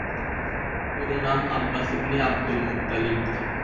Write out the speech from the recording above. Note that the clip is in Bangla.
পুরো নাম আব্বাস ইবনে আবদুল মুত্তালিব।